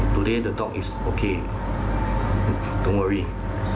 วันนี้คุยกันโอเคไม่ต้องห่วง